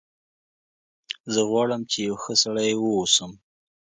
زه غواړم چې یو ښه سړی و اوسم